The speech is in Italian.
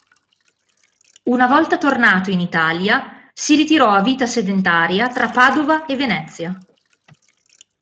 Una volta tornato in Italia, si ritirò a vita sedentaria tra Padova e Venezia.